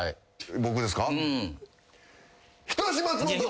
僕ですか？